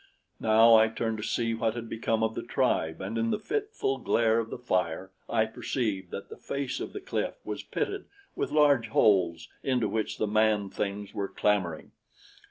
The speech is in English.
Now I turned to see what had become of the tribe, and in the fitful glare of the fire I perceived that the face of the cliff was pitted with large holes into which the man things were clambering.